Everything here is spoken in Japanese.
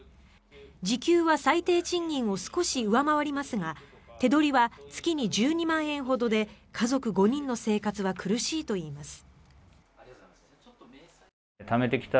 時給は最低賃金を少し上回りますが手取りは月に１２万円ほどで家族５人の生活は苦しいといいます。